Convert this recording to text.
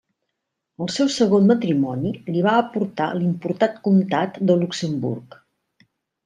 El seu segon matrimoni li va aportar l'important comtat de Luxemburg.